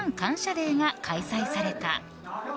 デーが開催された。